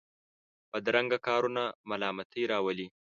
بدرنګه کارونه ملامتۍ راولي